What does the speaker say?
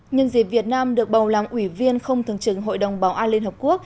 nhân dịp việt nam được bầu làm ủy viên không thường trực hội đồng bảo an liên hợp quốc